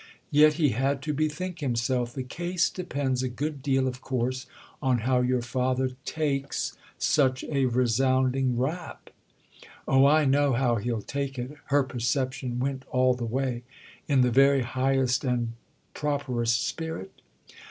Yet he had to bethink himself. "The case depends a good deal of course on how your father takes such a resounding rap." "Oh, I know how he'll take it!"—her perception went all the way. "In the very highest and properest spirit?"